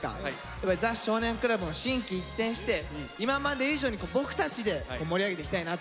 やっぱり「ザ少年倶楽部」も心機一転して今まで以上に僕たちで盛り上げていきたいなと思っております。